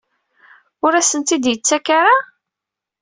Ur asen-ten-id-yettak ara?